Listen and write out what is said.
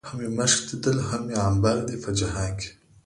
هم مې مښک ليدلي، هم عنبر دي په جهان کې